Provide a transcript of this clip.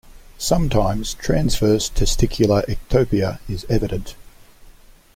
Sometimes, transverse testicular ectopia is evident.